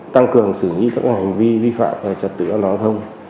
tăng cường xử lý các hành vi vi phạm về trật tựa giao thông